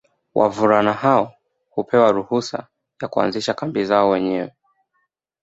Wavulana hao hupewa ruhusa ya kuanzisha kambi zao wenyewe